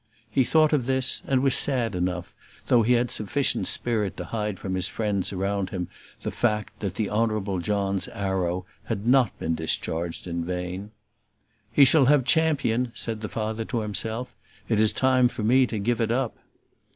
He thought of this, and was sad enough, though he had sufficient spirit to hide from his friends around him the fact, that the Honourable John's arrow had not been discharged in vain. "He shall have Champion," said the father to himself. "It is time for me to give it up."